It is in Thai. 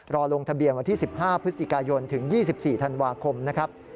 ลงทะเบียนวันที่๑๕พฤศจิกายนถึง๒๔ธันวาคมนะครับ